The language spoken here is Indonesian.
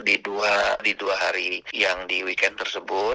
di dua hari yang di weekend tersebut